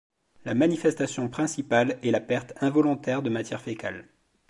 La manifestation principale est la perte involontaire de matière fécale.